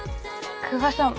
久我さん